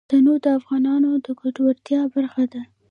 تنوع د افغانانو د ګټورتیا برخه ده.